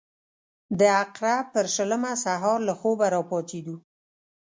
د عقرب پر شلمه سهار له خوبه راپاڅېدو.